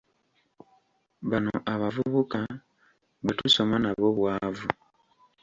Bano abavubuka bwe tusoma nabo bwavu.